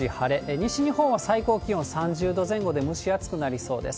西日本は最高気温３０度前後で蒸し暑くなりそうです。